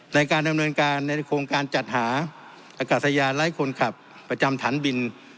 ในการดำเนินการในโครงการจัดหาอากาศยานไร้คนขับประจำฐานบิน